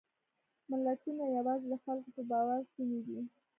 ملتونه یواځې د خلکو په باور شوني دي.